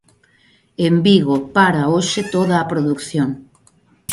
En Vigo para hoxe toda a produción.